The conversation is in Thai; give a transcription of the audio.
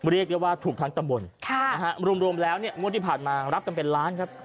เรียกได้ว่าถูกทั้งตำบลรวมแล้วเนี่ยงวดที่ผ่านมารับกันเป็นล้านครับ